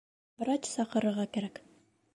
Врач саҡырырға кәрәк